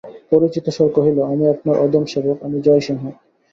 পরিচিত স্বর কহিল, আমি আপনার অধম সেবক, আমি জয়সিংহ।